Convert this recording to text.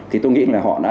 thì tôi nghĩ là họ đã